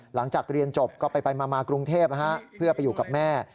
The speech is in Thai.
หลังจากเรียนจบก็ไปมากรุงเทพเพื่อไปอยู่กับแม่